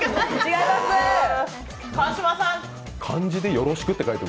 漢字で「よろしく」って？